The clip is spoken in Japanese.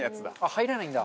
入らないんだ。